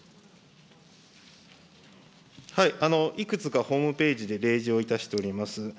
いくつかホームページで例示をいたしております。